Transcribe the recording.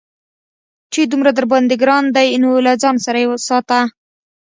چې دومره درباندې گران دى نو له ځان سره يې ساته.